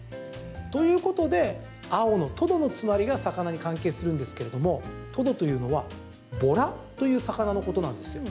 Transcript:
ということで青のとどのつまりが魚に関係するんですけれどもトドというのはボラという魚のことなんです。